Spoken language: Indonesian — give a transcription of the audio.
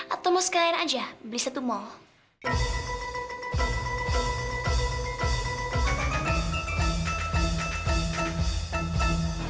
atau mau sekalian aja beli satu mall